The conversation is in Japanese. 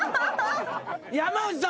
山内さん